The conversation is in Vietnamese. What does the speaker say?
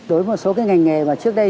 đối với một số cái ngành nghề mà trước đây